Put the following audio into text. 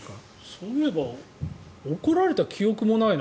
そういえば怒られた記憶もないな。